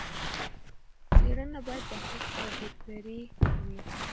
څېړنه باید دقیق او بې پرې وي.